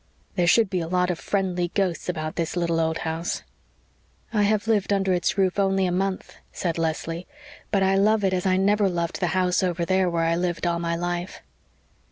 There should be a lot of friendly ghosts about this little old house." "I have lived under its roof only a month," said Leslie, "but I love it as I never loved the house over there where I have lived all my life."